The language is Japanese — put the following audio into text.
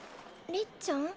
りっちゃん？